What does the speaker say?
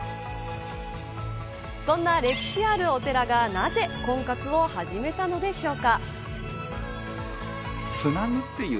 そんな歴史あるお寺がなぜ婚活を始めたのでしょうか。